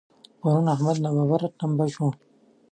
پرون احمد ناببره ټمبه شو.